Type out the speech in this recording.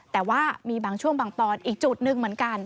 แต่ว่ามีบางช่วงบางตอนอีกจุดหนึ่งเหมือนกัน